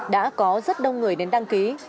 đã có rất đông người đến đăng ký